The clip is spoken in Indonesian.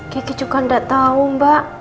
gigi juga gak tau mbak